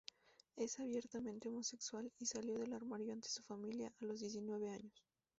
Es abiertamente homosexual y salió del armario ante su familia a los diecinueve años.